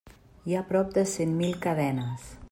Hi ha prop de cent mil cadenes.